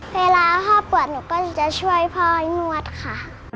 เวลาพ่อปวดหนูก็จะช่วยพ่อให้นวดค่ะ